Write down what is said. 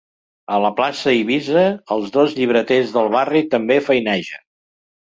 A la plaça Eivissa els dos llibreters del barri també feinegen.